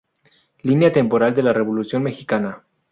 Línea temporal de la Revolución Mexicana